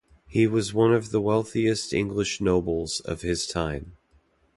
He was one of the wealthiest English nobles of his time.